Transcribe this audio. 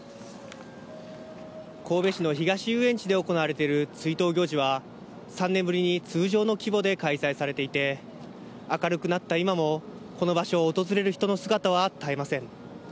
神戸市の東遊園地で行われている追悼行事は３年ぶりに通常規模で開催されていて、明るくなった今もこの場所を訪れる人の姿は絶えません。